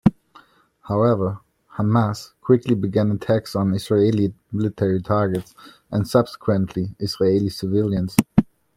However, Hamas quickly began attacks on Israeli military targets, and subsequently, Israeli civilians.